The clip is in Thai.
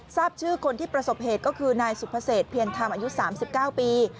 ทราบชื่อคนที่ประสบเหตุก็คือนายสุภเศษเพียรธรรมอายุ๓๙ปี